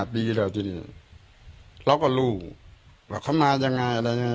๒๕ปีแล้วที่นี่เราก็รู้ว่าเขามาอย่างไรอะไรอย่างไร